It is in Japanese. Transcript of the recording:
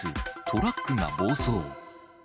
トラックが暴走。